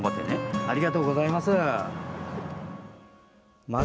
ありがとうございます！